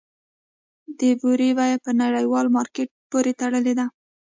د بورې بیه په نړیوال مارکیټ پورې تړلې ده؟